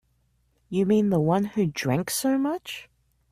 You mean the one who drank so much?